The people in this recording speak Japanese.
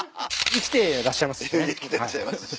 生きてらっしゃいますし。